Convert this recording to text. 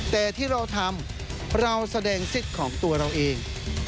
แต่ที่เราทำเราแสดงสิทธิ์ของตัวเราเอง